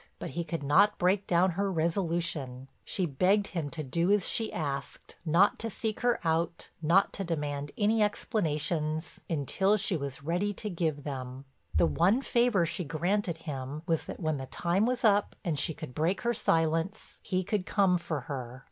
But he could not break down her resolution; she begged him to do as she asked, not to seek her out, not to demand any explanations until she was ready to give them. The one favor she granted him was that when the time was up and she could break her silence, he could come for her.